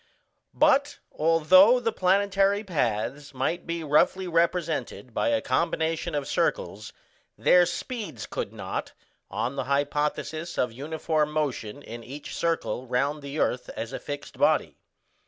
But although the planetary paths might be roughly represented by a combination of circles, their speeds could not, on the hypothesis of uniform motion in each circle round the earth as a fixed body.